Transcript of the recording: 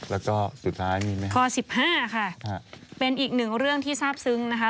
แล้วก็ข้อ๑๕ค่ะเป็นอีกหนึ่งเรื่องที่ทราบซึ้งนะคะ